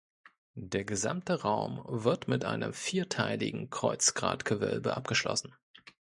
Der gesamte Raum wird mit einem vierteiligen Kreuzgratgewölbe abgeschlossen.